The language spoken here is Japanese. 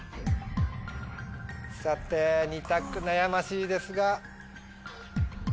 さて２択悩ましいですが。